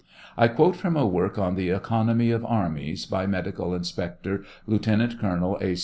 I quote from a work on the economy of armies, by medical inspector Lieutenant Colonel A.